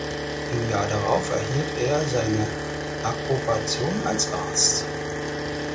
Im Jahr darauf erhielt er seine Approbation als Arzt.